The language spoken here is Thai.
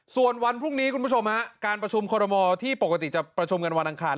ส่วนวันพรุ่งนี้คุณผู้ชมฮะการประชุมคอรมอลที่ปกติจะประชุมกันวันอังคาร